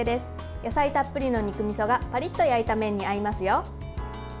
野菜たっぷりの肉みそがパリッと焼いた麺に合いますよ。